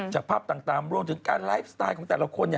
จากภาพต่างรวมถึงการไลฟ์สไตล์ของแต่ละคน